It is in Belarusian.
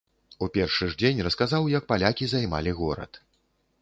У першы ж дзень расказаў, як палякі займалі горад!